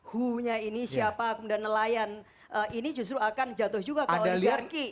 hu nya ini siapa kemudian nelayan ini justru akan jatuh juga ke oligarki